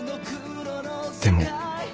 でも